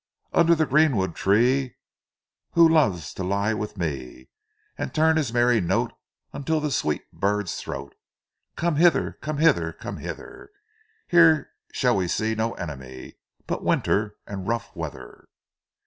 "Under the greenwood tree Who loves to lie with me, And turn his merry note Unto the sweet bird's throat, Come hither, come hither, come hither; Here shall we see No enemy, But winter and rough weather."